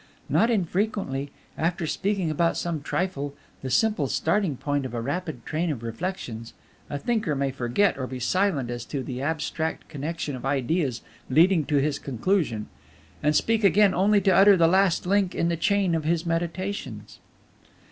Not unfrequently, after speaking about some trifle, the simple starting point of a rapid train of reflections, a thinker may forget or be silent as to the abstract connection of ideas leading to his conclusion, and speak again only to utter the last link in the chain of his meditations.